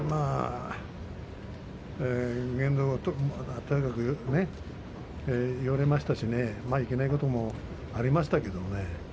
言動はとにかくね言われましたけどいけないこともありましたけどね